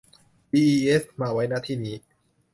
ดีอีเอส มาไว้ ณ ที่นี้